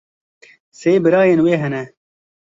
Sê birayên wê hene.